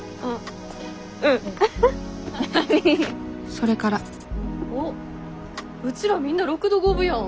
それからうちらみんな６度５分やん。